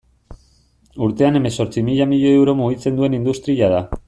Urtean hemezortzi mila milioi euro mugitzen duen industria da.